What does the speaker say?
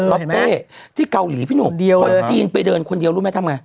เป้ที่เกาหลีพี่หนุ่มคนจีนไปเดินคนเดียวรู้ไหมทำไง